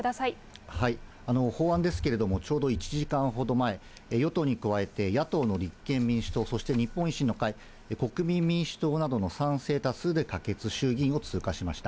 法案ですけれども、ちょうど１時間ほど前、与党に加えて、野党の立憲民主党、そして日本維新の会、国民民主党などの賛成多数で可決、衆議院を通過しました。